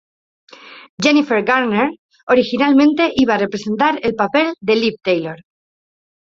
Jennifer Garner originalmente iba a representar el papel de Liv Tyler.